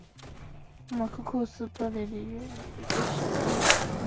马库库是巴西里约热内卢州的一个市镇。